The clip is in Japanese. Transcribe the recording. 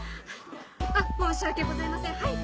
あっ申し訳ございませんはい！